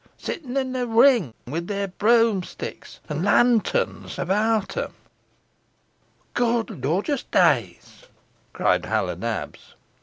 sittin' in a ring, wi' their broomsticks an lanterns abowt em!" "Good lorjus deys!" cried Hal o' Nabs.